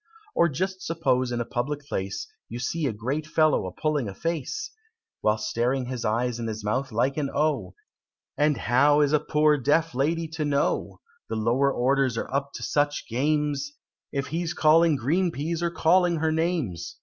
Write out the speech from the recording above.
Or just suppose in a public place You see a great fellow a pulling a face, With his staring eyes and his mouth like an O, And how is a poor deaf lady to know, The lower orders are up to such games If he's calling 'Green Peas,' or calling her names?"